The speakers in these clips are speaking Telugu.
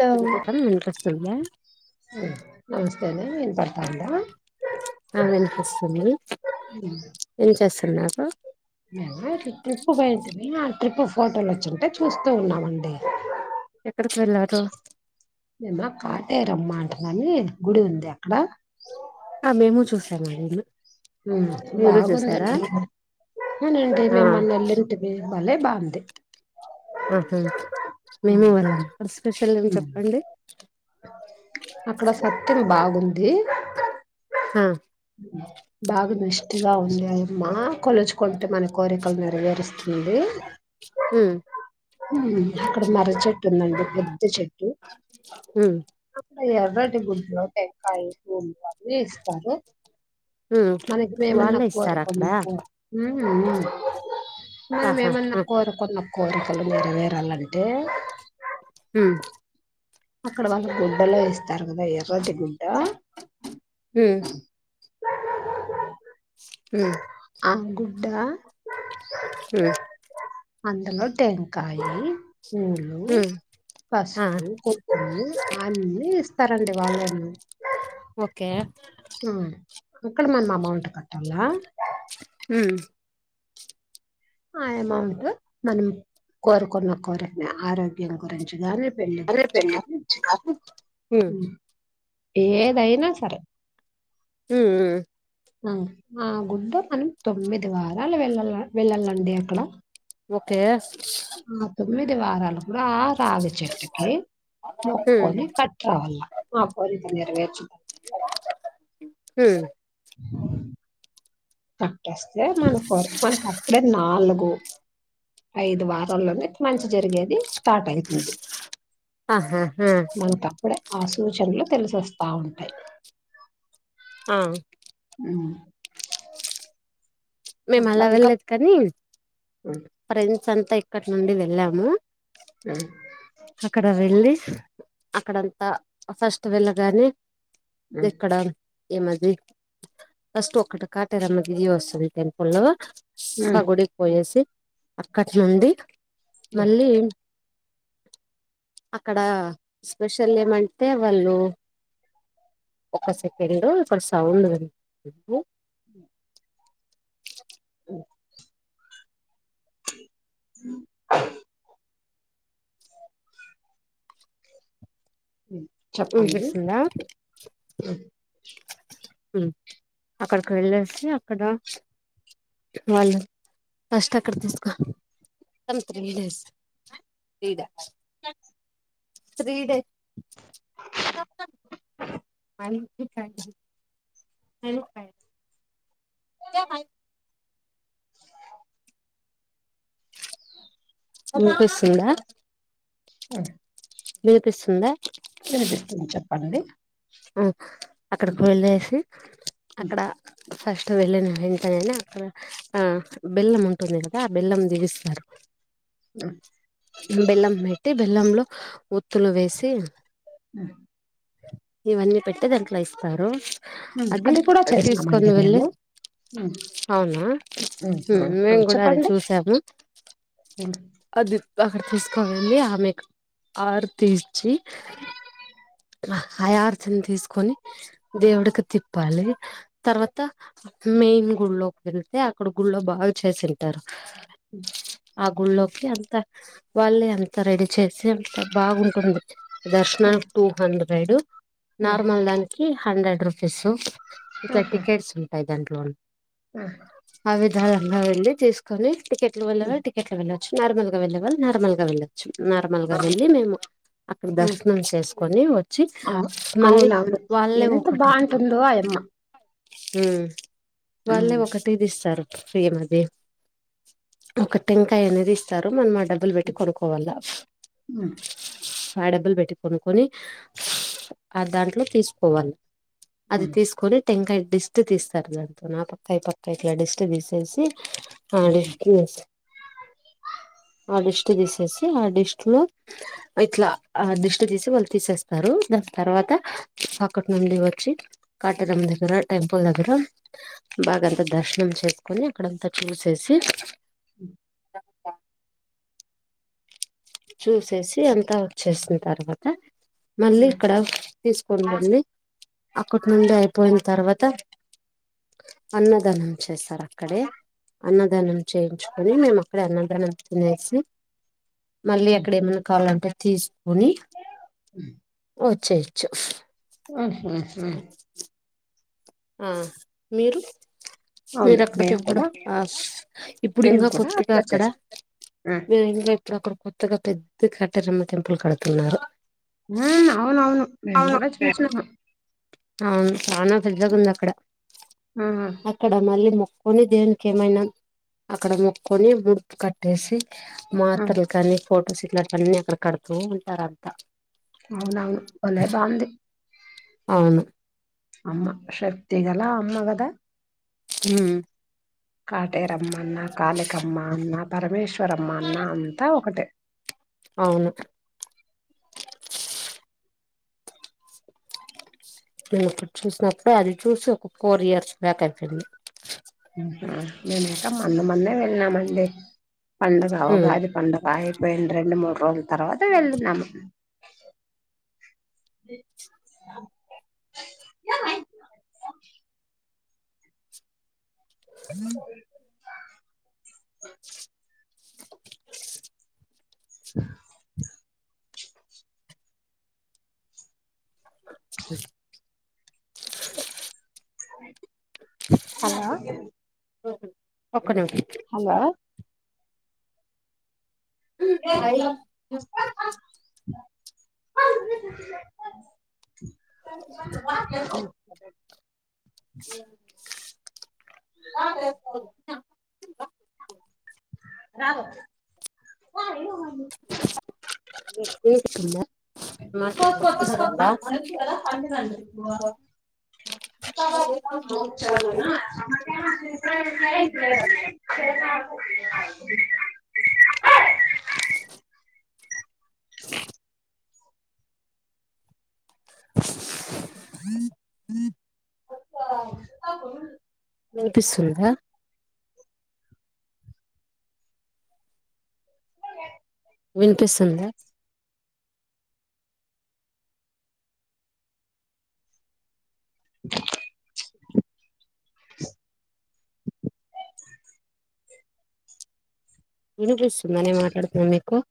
టావు వినిపిసం వినిపిస్తుందా హలో నమస్తే నే వినపడుతందా ఆ వినిపిస్తుంది ఏం చేస్తున్నారు నినా ట్రిప్ పోయాతిని ఆ ట్రిప్ ఫోటోలు వచ్చింటే చూస్తూ ఉన్నామండి ఎక్కడికి వెళ్ళారు నెమ్మ కాటేరమ్మ అంటున్నాని గుడి ఉంది అక్కడ ఆ మేము చూసాముడ్లు ఉ బాగుందండి ము అవునండి ఆ మేము మొన్న ఎల్లుంటీమి వలే బాందే ఆహా మేము వెళ్ళాం ఒక స్పెషల్ ఏం ఉమ్ చెప్పండి అక్కడ సత్యం బాగుంది హా బాగా నష్గా ఉంది అయమ్మా కొలుచుకుంటే మన కోరికలు నెరవేరుస్తుంది హ అక్కడ మర చెట్టు ఉందండి పెద్ద చెట్టు హు అక్కడ ఎర్రటి గుడ్లు టంకాయ పూళ్ళ అన్నీ ఇస్తారు ఉమ్ మనకి మేమన్నా వాళ్ళే ఎక్కువ ర ఇస్తారా అక్కడ కొన్నిక్కువ మనం ఆహా ఏమన్నా ఆ కోరు కొన్న కోరికలు మీర వేరాలంటే ఆ అక్కడ మళ్ళ గుడ్డలో ఇస్తారు కదా ఎర్రటి గుడ్డ హు ఉమ్ ఆ గుడ్డ ఉమ్ అందులో టేంకాయి పూలు ఉమ్ ఆ పసుపు కొకులు అన్నీ ఇస్త సరండి వాళ్ళేమ ఓకే అక్కడ మనం అమౌంట్ కట్టాల హు ఆ అమౌంట్ మనం కోరుకున్న కోరికనే ఆరోగ్యం గురించి కాగాని పె అదే పెళ్లి ఉమ్ ఏదయిన సరే హు ఆ ఆ గుడ్డ మనం తొమ్మిది వారాలు వెళ్ళ వెళ్ళాలండి అక్కడ ఒకే తొమిది వారాలు కూడ ఆ రాగి చెట్టుకి ఉమ్ మొక్కొని కట్ట్ర వళ్ళ ఆ పోరి త నిరవే వచ్చ హు కట్టేస్తే మన మనకు అప్పుడే నాలుగు ఐదు వారల్లోనే మంచి జరిగేది స్టార్ట్ అవుతుంది ఆహా ఆ మనప్పుడే ఆ సూచనలు తెలిసొస్తా ఉంటాయి ఆ అ మేము అలా వెళ్ళదు కానీ హ్మ్. ఫ్రెండ్స్ అంతా ఇక్కడి నుండి వెళ్ళాము అ అక్కడ వెళ్ళి అక్కడంతా ఫస్ట్ వెళ్ళగానే హ్మ్. ఎక్కడ ఏమది ఫస్ట్ ఒకటి కాటరమ్మ గిరి వస్తుంది టెంపుల్ లో హ్మ్. పగుడికి పోయేసి అక్కటి నుండి హ్మ్. మళ్ళీ అక్కడ స్పెషల్ ఏమంటే వాళ్ళు ఒక సెకండ్ ఇక్కడ సౌండ్ పెరి హ్మ్. చెప్పండి వినిపిస్తుందా అక్కడికి వెళ్ళసి అక్కడ వాళ్ళ కస్ట్ అక్కడ తీసుకో క్రీడస్ క్రీడ త్రీ డే అం మ ఏ పిస్తుందా ఆ వినిపిస్తుందా చెప్పండి. ఆ హ్మ్. అక్కడకిళ్ళేసి హ్మ్. అక్కడ ఫస్ట్ వెళ్ళిన వెంటనేనే అక్కడ ఆ బెల్లం ఉంటుంది కదా ఆ బెల్లం దీవిస్తారు హ్మ్. బెల్లం పెట్టి బెల్లంలో ఉత్తులు వేసి ఆ ఇవన్నీ పెట్టి దాంట్లో ఇస్తారు హ్మ్ అది కూడా తీసుకొని చేసినామండి వెళ్ళి మేము హ్మ్ అవునా హ్మ్ హ్మ్ హ్మ్. మేము కూడా అది చెప్పండి చూసాము హ్మ్ అది అక్కడ తీసుకోవండి ఆమెకు ఆర్ తీచ్చి హై ఆర్స్ని తీసుకొని దేవుడ క త చెప్పాలి తర్వాత మెయిన్ గుళ్ోకి వెళ్తే అక్కడ గుళ్ో బాగా చేసింటారు అ ఆ గుళ్కి అంత వాళ్ల్ే అంత రెడి చేసే అంత బాగుంటుంది హ్మ్ హ్మ్ దర్శనానికి టూ హండ్రెడ్ హ్మ్. నార్మల్ దానికి హండ్రెడ్ రూపీస్ ఇట్లా ఆహా టికెట్స్ ఉంటాయి దాంట్లోన్ ఆ ఆ విధాలంగా వెళ్ళి తీసుకొని టికెట్లు వెళ్ళవ హ్మ్ టికెట్లు వెళ్ళ నార్మల్గా వెళ్లవాలి నార్మల్ గా వెళ్ొచ్చు నార్మల్గా ఆ! వెళ్ళి మేము అక్కడ హ్మ్ దర్శనం చేసుకొని వచ్చి ఆ మళ్ళీ అవునవును వాళ్ళే ఎంత ఒకటి బాగుంటుందో ఆయమ్మ హ వాళ్ళే హ్మ్ ఒకటిది ఇస్తారు ఫ్రీ అది ఒక టెంకాయ అనేది ఇస్తారు మనమాట డబ్బులు పెట్టి కొనుక్కవాల హ్మ్ ఆ డబ్బులు పెట్టి కొనుకొని ఆ దాంట్లో తీసుకోవాలి అది హ్మ్ తీసుకొని టెంకాయ డిస్ట్ తీస్తారుదంటు నా పక్కా పక్కా ఇట్లా డిస్ట్ తీసేసి హ్మ్ అడి హుహు. అడిష్ ట్ తీసేసి ఆ డిస్ట్ లో ఇట్లా ఆ డిస్ట్ తీసి వాళ్ళు తీసేస్తారు దాని తర్వాత పకట్ నుండి వచ్చి కట ద దగర టెంపుల్ దగ్గర బాగాంత దర్శనం చేసుకుొని అక్కడంతా చూసేసి హ చూసేసి అంతా వచ్చేసిన తర్వాత మళ్ళీ హ్మ్ హ్మ్ హ్మ్. ఇక్కడ తీసుకుని వెళ్ళడి అక్కటి నుండి అయిపోయిన తర్వాత అన్నదానం చేస్తారు అక్కడే అన్నదానం చేయించుకొని మేము అక్కడ అన్నదానం తినేసి మళ్ళీ హ్మ్. అక్కడ ఏమైన్నా కావాలంటే తీసుకుని వచ్చేయచ్చు ఆ సర సర ఆ మీరు అవును మీరు అక్కడికి మేము ఎప్పుడు కూడా ఇప్పుడు మేము ఇంకా కూడా కొత్తరిగా అట్లా అక్కడ చేస్తాం హ్మ్ మే ఇంలో ఇప్పుడు అక్కడ కొత్తగా పెద్ద కట్టరమ్మ టెంపుల్ కడుతున్నారు ఆ అవునవును మేము కూడా చూసినాము అవును చనా పెద్దగా హ్మ్ ఉంది అక్కడ హ్మ్ అక్కడ మళ్ళీ ని దేవునికి ఏమైనా అక్కడ మొక్కొని ముడుపు కట్టేసి హ్మ్. మాతలు కాని ఫొటోస్ ఇట్లాంటివన్న అక్కడ కడుతూ ఉంటారు అంతా అవునావును భ బాంది అవును అమ్మ శక్తి గల అమ్మ కదా ఉమ్ కాటేరమ్మన్న కళికమ్మ అన్న పరమేశ్వరమ్మ అన్న అంతా ఒకటి అవును నేను ఇప్పుడు చూసినప్పుడు అది చూసి ఒక ఫోర్ ఇయర్స్ బ్యాక్ అయిపోయింది మేము ఇంకా మన్న మన్నే వెళ్ళినమండి పండగ ఉమ్ ఉగాది పండగా అయిపోయింది రెండు మూడు రోజుల తర్వాత వెళ్ళున్నామక ఆ హ అ హలో ఒక నిమిషం హలో బ బ చేస్త రావ ఏ సంద పోత్పోతు కదామ్మా ఎతు కదా పదం చ ఆ అ వినిపిస్తుందా స వినిపిస్తుందా వినిపిస్తుందా నేను మాట్లాడుతున్నా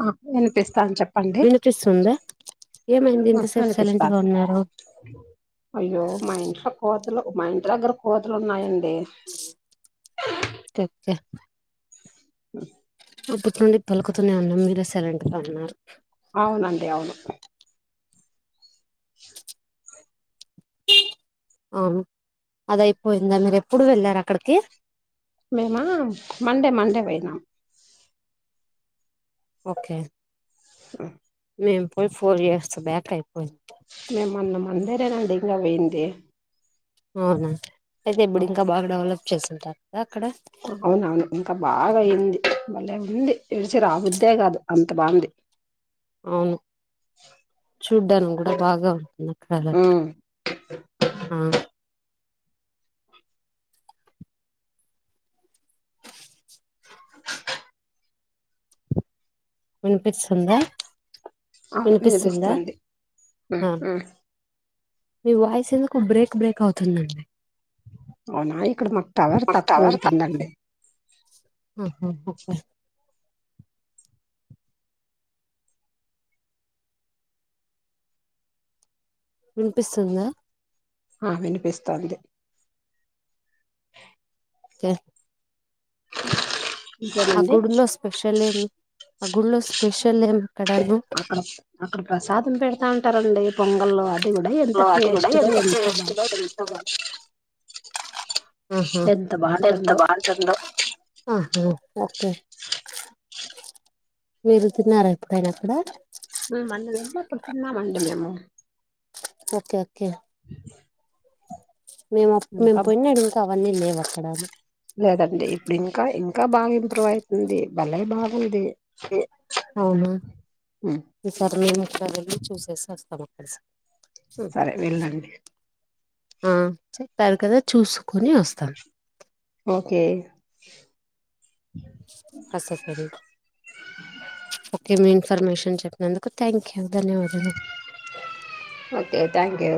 ఆ వినిపిస్తా అని చెప్పడి వినిపిస్తుంద మస్తు అనిపిస్తస్తా ఉన్నారు అయ్యో మాఇంట్లో [inaudible] మా ఇంటి దగ్గర కోతులు ఉన్నాయండి ఓకే ఓకే అ అప్పటి నుండి పలుకతూనే ఉన్న మీర సెలెంటట్ గా అన్నారు అవునండి అవును అది అదయిపోయిందా మీరు ఎప్పుడు వెళ్ళారు అక్కడికి మేమా మండే మండే పోయినాం ఓకే ఆ మేము పోయి ఫోర్ ఇయర్స్ బ్యాక్ అయిపోయింది మేము మొన్న మండే అండి పోయింది అవునండి అయితే ఇప్పుడు ఇంకా బాగా డెవలప్ చేసింటారు కదా అక్కడ అవునవును ఇంకా బాగా అయింది బాలే ఉంది విడిచి రాబుద్దే కాదు అంత బాగుంది అవును చూడ్డానికి కూడా బాగా ఉంటుంది నా కళ ఉమ్, ఆ వినిపిస్తుందా అవును వినిపిస్తుందా వినిపిస్తుంది ఉ ఆ ఉ మీ వాయిస్ ఎందుకో బ్రేక్ బ్రేక్ అవుతుందండి అవునా ఇక్కడ మాకు టవర్ తక్కువ ఉంటుందండి ఆహ ఓహో వినిపిస్తుందా ఆ వినిపిస్తోంది ఇంకేనండి అకుగుడున్న స్పెషల్ ఏం అ గుళ్లో స్పెషల్ ఏం అక్కడను కుంటారండి పొంగల్ లో అది కూడా ఎంత వాటి కూడా టేస్ట్ గా ఎంత టేస్ట్ బాగు గా ఎంత ఆహా ఎంత బాగుంటుందో ఆహా ఓకే మీరు తిన్నారా ఎప్పుడైనా అక్కడ మేమందరేమో అప్పుడు తిన్నమండి మేము ఓకే ఓకే మేము మేము ఇంకా పొనాడు ఇంకా అవన్నీ లేవు అక్కడ అది లేదండి ఇప్పుడు ఇంకా ఇంకా బాగా ఇంప్రూవ్ అయితుంది భలే బాగుంది ఇ అవునా ఉమ్, ఈ సారి మేమోకసారి వెళ్లి చూసేసస్తాము ఉ సరే వెళ్ళండి ఆ చేయ్ పెరుగదా చూసుకుని వస్తాం ఓకే కసేపెన్ ఓకే మీం ఇన్ఫర్మేషన్ చెప్పినందుకు థ్యాంక్ యూ ధన్యవాదాలు ఓకే థ్యాంక్ యూ